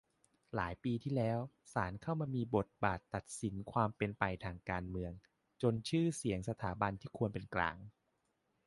หลายปีที่แล้ว ศาลเข้ามามีบทบาทตัดสินความเป็นไปทางการเมือง จนชื่อเสียงสถาบันที่ควรเป็นกลาง